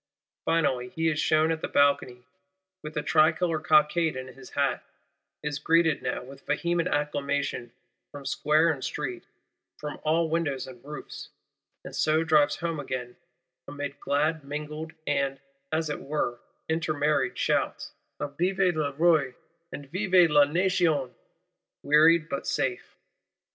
Finally, he is shewn at the Balcony, with a Tricolor cockade in his hat; is greeted now, with vehement acclamation, from Square and Street, from all windows and roofs:—and so drives home again amid glad mingled and, as it were, intermarried shouts, of Vive le Roi and Vive la Nation; wearied but safe.